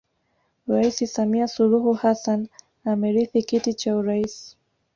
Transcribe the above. Rais Samia Suluhu Hassan amerithi kiti cha urais